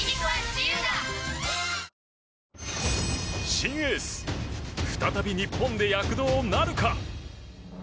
新エース、再び日本で躍動なるか。